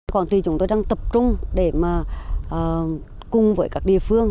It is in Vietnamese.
quảng trị chúng tôi đang tập trung để mà cùng với các địa phương